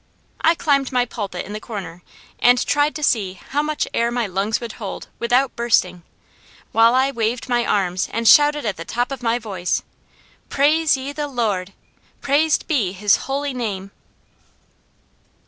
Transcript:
I climbed my pulpit in the corner and tried to see how much air my lungs would hold without bursting, while I waved my arms and shouted at the top of my voice: "Praise ye the Lord! Praised be His holy name!"